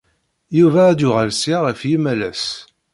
Yuba ad d-yuɣal ssya ɣef yimalas.